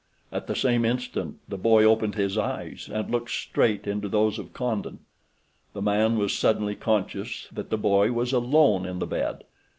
At the same instant the boy opened his eyes and looked straight into those of Condon. The man was suddenly conscious that the boy was alone in the bed.